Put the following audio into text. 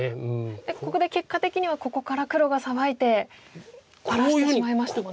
ここで結果的にはここから黒がサバいて荒らしてしまいましたもんね。